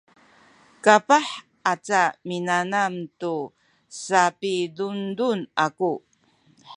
kapah aca minanam tu sapidundun aku